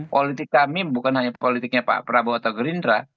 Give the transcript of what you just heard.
politik kami bukan hanya politiknya pak prabowo atau gerindra